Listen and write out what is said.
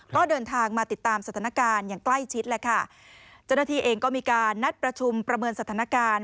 ก็เดินทางมาติดตามสถานการณ์อย่างใกล้ชิดแหละค่ะเจ้าหน้าที่เองก็มีการนัดประชุมประเมินสถานการณ์